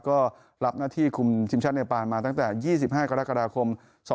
ก็รับหน้าที่คุมทีมชาติเนปานมาตั้งแต่๒๕กรกฎาคม๒๕๖